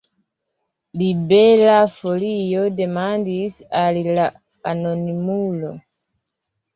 Libera Folio demandis al la anonimulo.